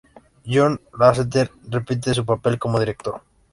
John Lasseter repite su papel como director.